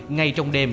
ngay trong đêm